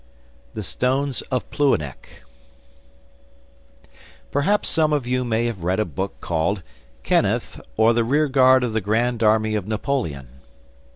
The Stones of Plouhinec Perhaps some of you may have read a book called 'Kenneth; or the Rear Guard of the Grand Army' of Napoleon.